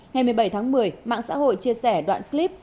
ngày một mươi bảy tháng một mươi mạng xã hội chia sẻ đoạn clip